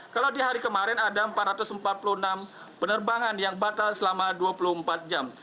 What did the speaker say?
kalau di hari kemarin ada empat ratus empat puluh enam penerbangan yang batal selama dua puluh empat jam